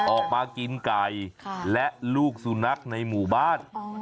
ออกมากินไก่และลูกสุนัขในหมู่บ้าน